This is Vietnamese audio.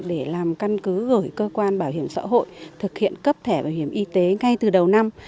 để làm căn cứ gửi cơ quan bảo hiểm xã hội thực hiện cấp thẻ bảo hiểm y tế ngay từ đầu năm